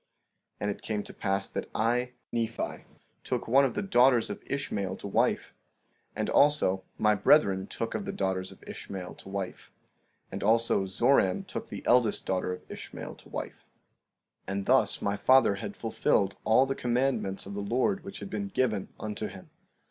16:7 And it came to pass that I, Nephi, took one of the daughters of Ishmael to wife; and also, my brethren took of the daughters of Ishmael to wife; and also Zoram took the eldest daughter of Ishmael to wife. 16:8 And thus my father had fulfilled all the commandments of the Lord which had been given unto him.